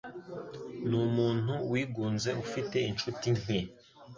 Numuntu wigunze ufite inshuti nke.